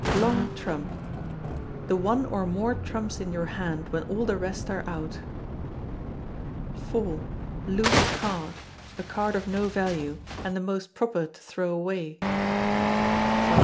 Long Trump, the one or more trumps in your hand when all the rest are out. iv. Loose Card, a card of no value, and the most proper to throw away. v.